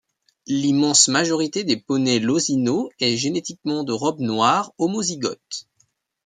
L'immense majorité des poneys Losino est génétiquement de robe noire homozygote.